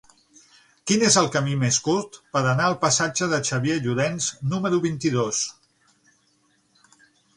Quin és el camí més curt per anar al passatge de Xavier Llorens número vint-i-dos?